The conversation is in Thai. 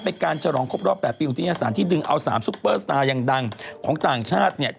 เป็นการฉลองครบรอบ๘ปีอุทยศาสตร์ที่ดึงเอา๓ซุปเปอร์สตาร์ยังดังของต่างชาติเนี่ย